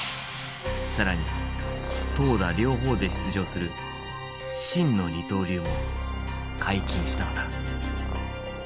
更に投打両方で出場する真の二刀流も解禁したのだ。